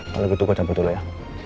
kalau gitu gue jemput dulu ya